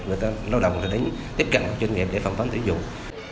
người ta lao động và tiếp cận các doanh nghiệp để phòng phán tử dụng